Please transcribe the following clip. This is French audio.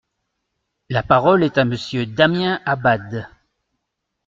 La parole est à Monsieur Damien Abad.